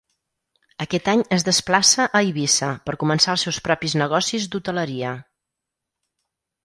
Aquest any es desplaça a Eivissa per començar els seus propis negocis d'hoteleria.